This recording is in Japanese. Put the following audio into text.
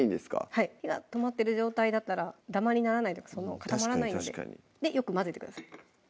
はい火が止まってる状態だったらダマにならない固まらないんでよく混ぜてください